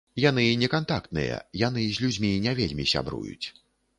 Яны не кантактныя, яны з людзьмі не вельмі сябруюць.